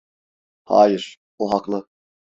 Hayır, o haklı.